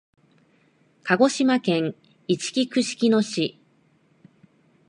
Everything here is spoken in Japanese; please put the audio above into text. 鹿児島県いちき串木野市